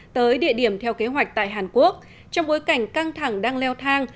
tới địa điểm theo kế hoạch tại hàn quốc trong bối cảnh căng thẳng đang leo thang